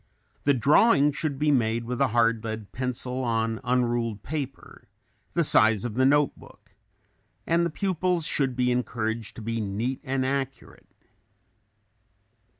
The drawings should be made with a hard lead pencil on un ruled paper, the size of the note book, and the pupils should be encouraged to be neat and accurate.